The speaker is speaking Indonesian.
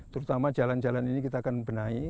terutama jalan jalan ini kita akan benahi